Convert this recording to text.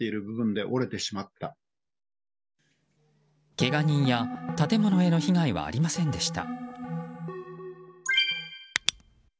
けが人や建物への被害はありませんでした。